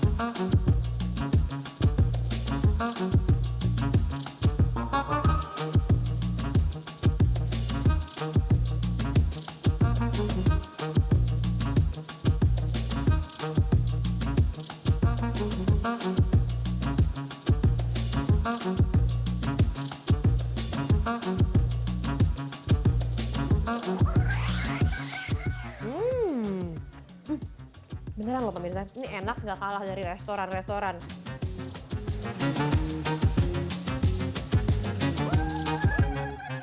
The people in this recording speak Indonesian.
ini enak gak kalah dari medications dari restoran restoran